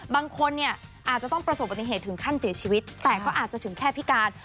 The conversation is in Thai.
บางคนเนี่ยอาจจะต้องประสบปฏิเหตุถึงขั้นเสียชีวิตแต่ก็อาจจะถึงแค่พิการ